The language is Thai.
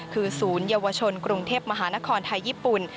คือศูนยวชนกรุงเทพมหานครไทยญี่ปุ่น